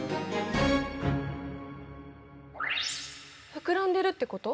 膨らんでるってこと？